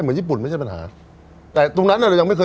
ใช่ใช่ใช่ใช่ใช่